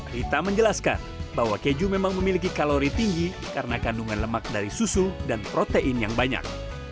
rita menjelaskan bahwa keju memang memiliki kalori tinggi karena kandungan lemak dari susu dan protein yang banyak